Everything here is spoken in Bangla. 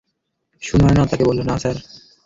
সুনায়না তাকে বলল, - না, স্যার।